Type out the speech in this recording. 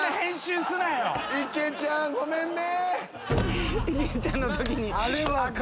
池ちゃんごめんね！